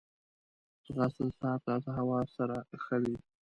ځغاسته د سهار تازه هوا سره ښه وي